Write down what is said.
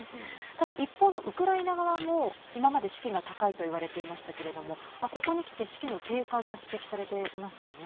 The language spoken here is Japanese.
ただ一方のウクライナ側も今まで士気が高いといわれていましたけれどもここにきて士気の低下が指摘されていますよね。